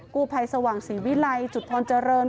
กู้ภัยสว่างศรีวิลัยจุดพรเจริญ